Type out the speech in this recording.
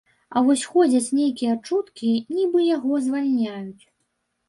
А вось ходзяць нейкія чуткі, нібы яго звальняюць.